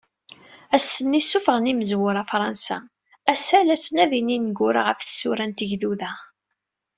Ass-nni, ssuffɣen yimezwura Fṛansa, ass-a, la ttnadin yineggura ɣef tsura n Tegduda.